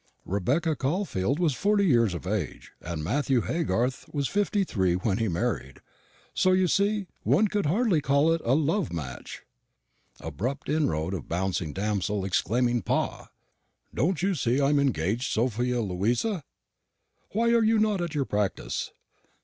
Rebecca Caulfield was forty years of age, and Matthew Haygarth was fifty three when he married; so, you see, one could hardly call it a love match. [Abrupt inroad of bouncing damsel, exclaiming "Pa!"] Don't you see I'm engaged, Sophia Louisa? Why are you not at your practice?